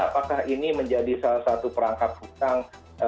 apakah ini menjadi salah satu perangkat hutang